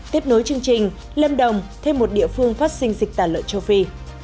tiếp nối chương trình lâm đồng thêm một địa phương phát sinh dịch tả lợn châu phi